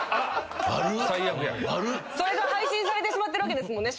それが配信されてしまってるわけですもんね